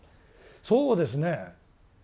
そうですね。